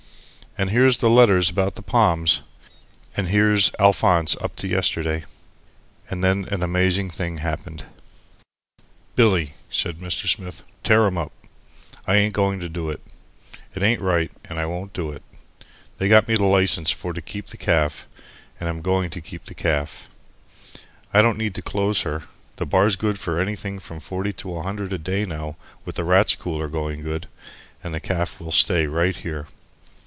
"And here's the letters about the palms, and here's Alphonse up to yesterday " And then an amazing thing happened. "Billy," said Mr. Smith, "tear'em up. I ain't going to do it. It ain't right and I won't do it. They got me the license for to keep the caff and I'm going to keep the caff. I don't need to close her. The bar's good for anything from forty to a hundred a day now, with the Rats' Cooler going good, and that caff will stay right here."